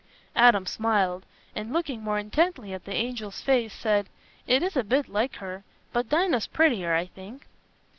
Adam smiled, and, looking more intently at the angel's face, said, "It is a bit like her; but Dinah's prettier, I think."